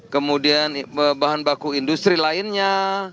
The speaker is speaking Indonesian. kemudian bahan baku industri lainnya